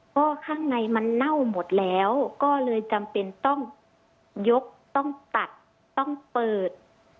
เพราะข้างในมันเน่าหมดแล้วก็เลยจำเป็นต้องยกต้องตัดต้องเปิด